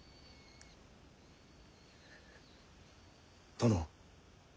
殿。